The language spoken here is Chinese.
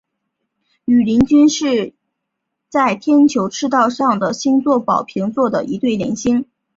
羽林军一是在天球赤道上的星座宝瓶座的一对联星。